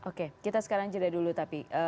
oke kita sekarang jeda dulu tapi